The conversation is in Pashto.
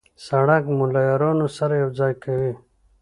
سړک مو له یارانو سره یو ځای کوي.